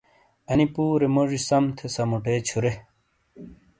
انی پُورے موجی سم تھے سمُوٹے چھُورے۔